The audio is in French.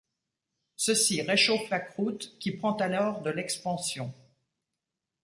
Ceci réchauffe la croûte qui prend alors de l'expansion.